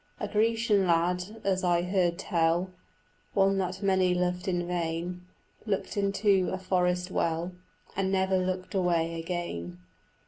A Grecian lad, as I hear tell, One that many loved in vain, Looked into a forest well And never looked away again.